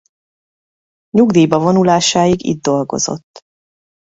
Nyugdíjba vonulásáig itt dolgozott.